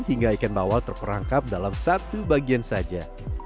hingga ikan bawal terperangkap dalam satu bagian saja